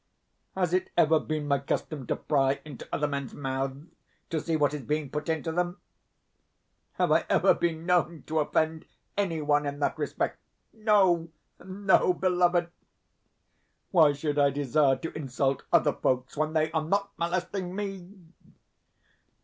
Has it ever been my custom to pry into other men's mouths, to see what is being put into them? Have I ever been known to offend any one in that respect? No, no, beloved! Why should I desire to insult other folks when they are not molesting ME?